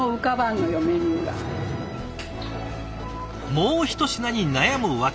もう一品に悩む訳。